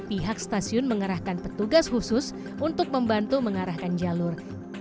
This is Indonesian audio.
pihak stasiun mengarahkan petugas khusus untuk membantu mengarahkan jalur